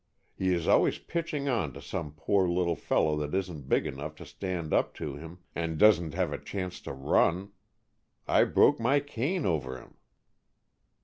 He is always pitching on to some poor little fellow that isn't big enough to stand up to him, and doesn't have a chance to run. I broke my cane over him."